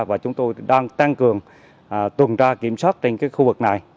và chúng tôi đang tăng cường tuần tra kiểm soát trên khu vực này